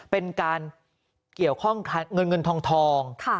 เป็นการเกี่ยวข้องเงินเงินทอง